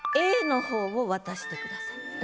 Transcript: Ａの方を渡してください。